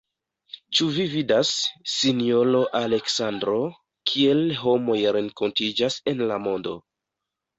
Ĉu vi vidas, sinjoro Aleksandro, kiel homoj renkontiĝas en la mondo!